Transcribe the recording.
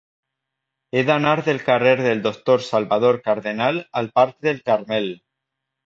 He d'anar del carrer del Doctor Salvador Cardenal al parc del Carmel.